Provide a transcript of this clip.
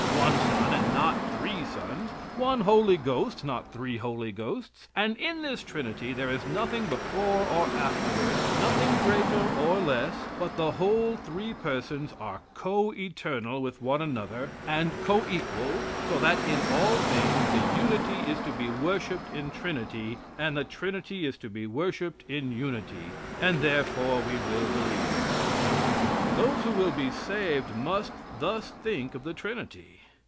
"One Son, and not three Sons; one Holy Ghost, not three Holy Ghosts; and in this Trinity there is nothing before or afterward, nothing greater or less, but the whole three persons are coeternal with one another, and coequal, so that in all things the unity is to be worshiped in Trinity, and the Trinity is to be worshiped in unity, and therefore we will believe." Those who will be saved must thus think of the Trinity.